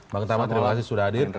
bang tama terima kasih sudah hadir